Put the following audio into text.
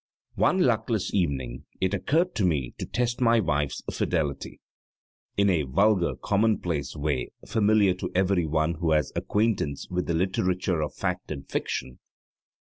One luckless evening it occurred to me to test my wife's fidelity in a vulgar, commonplace way familiar to everyone who has acquaintance with the literature of fact and fiction.